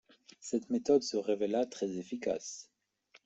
Cette méthode se révéla très efficace.